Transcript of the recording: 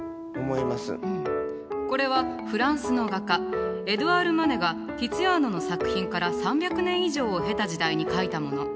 これはフランスの画家エドゥアール・マネがティツィアーノの作品から３００年以上を経た時代に描いたもの。